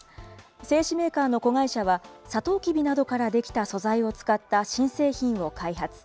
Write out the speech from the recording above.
製紙メーカーの子会社は、サトウキビなどから出来た素材を使った新製品を開発。